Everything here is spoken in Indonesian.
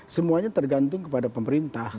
semuanya tergantung kepada pemerintah